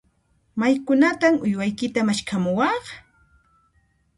Maykunantan uywaykita maskhamuwaq?